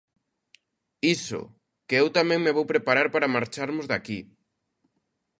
Iso, que eu tamén me vou preparar para marcharmos de aquí